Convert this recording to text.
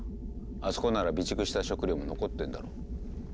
あそこなら備蓄した食料も残ってんだろ。